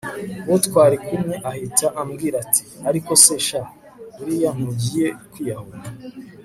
uwo twari kumwe ahita ambwira ati ariko se sha buriya ntugiye kwiyahura